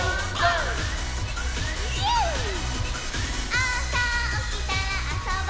「あさおきたらあそぼ」